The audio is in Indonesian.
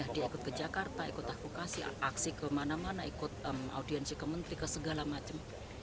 dia ikut ke jakarta ikut advokasi aksi kemana mana ikut audiensi ke menteri ke segala macam